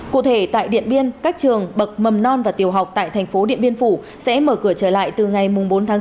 cụ thể tại điện biên các trường bậc mầm non và tiểu học tại thành phố điện biên phủ sẽ mở cửa trở lại từ ngày bốn tháng chín